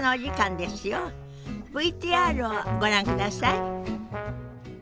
ＶＴＲをご覧ください。